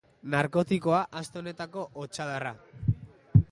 Narkotikoa aste honetako hotsadarra.